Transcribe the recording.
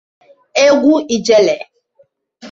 egwu ijele